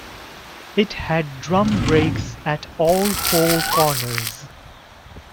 It had drum brakes at all four corners.